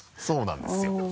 そうなんですよ。